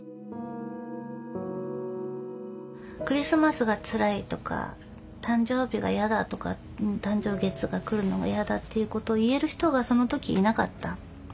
クリスマスがつらいとか誕生日が嫌だとか誕生月が来るのが嫌だっていうことを言える人がその時いなかった。